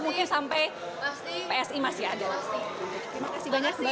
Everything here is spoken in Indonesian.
terima kasih banyak mbak grace